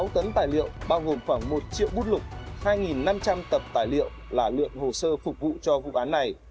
sáu tấn tài liệu bao gồm khoảng một triệu bút lục hai năm trăm linh tập tài liệu là lượng hồ sơ phục vụ cho vụ án này